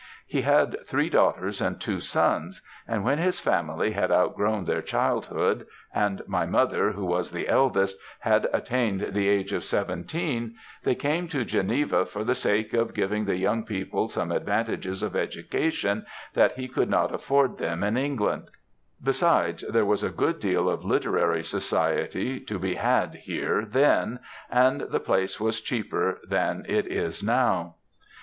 He had three daughters and two sons, and when his family had outgrown their childhood, and my mother, who was the eldest, had attained the age of seventeen, they came to Geneva for the sake of giving the young people some advantages of education that he could not afford them in England; besides there was a good deal of literary society to be had here then, and the place was cheaper than it is now.